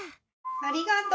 ありがとう。